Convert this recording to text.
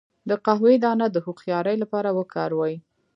د قهوې دانه د هوښیارۍ لپاره وکاروئ